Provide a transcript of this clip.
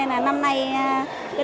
việc lái ban trái cây